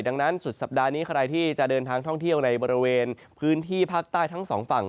ดังนั้นสุดสัปดาห์นี้ใครที่จะเดินทางท่องเที่ยวในบริเวณพื้นที่ภาคใต้ทั้งสองฝั่ง